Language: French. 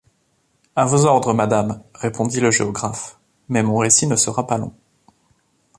À vos ordres, madame, répondit le géographe, mais mon récit ne sera pas long.